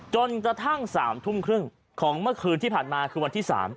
จนกระทั่ง๓ทุ่มครึ่งของเมื่อคืนที่ผ่านมาคือวันที่๓